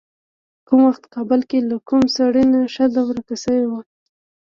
کوم وخت کابل کې له کوم سړي نه ښځه ورکه شوې وه.